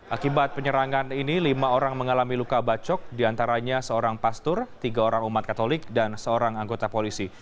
akibat penyerangan ini lima orang mengalami luka bacok diantaranya seorang pastur tiga orang umat katolik dan seorang anggota polisi